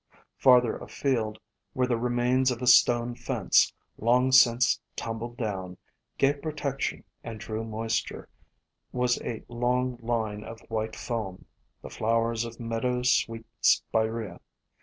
Farther afield, where the remains of a stone fence, long since tumbled down, gave protection and drew moisture, was a long line of white foam, the flowers of Meadow Sweet Spirea.